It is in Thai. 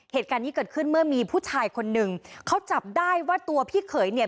เหตุการณ์นี้เกิดขึ้นเมื่อมีผู้ชายคนหนึ่งเขาจับได้ว่าตัวพี่เขยเนี่ย